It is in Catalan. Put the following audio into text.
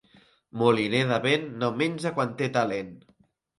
Moliner de vent no menja quan té talent.